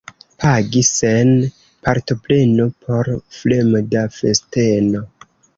Pagi sen partopreno por fremda festeno.